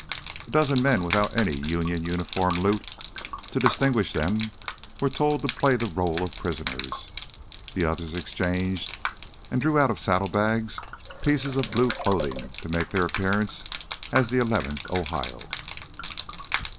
A dozen men without any Union uniform loot to distinguish them were told to play the role of prisoners; the others exchanged and drew out of saddlebags pieces of blue clothing to make their appearance as the Eleventh Ohio.